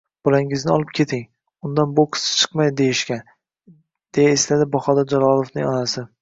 “‘Bolangizni olib keting, undan bokschi chiqmaydi’ deyishgan”, — deya eslaydi Bahodir Jalolovning onasi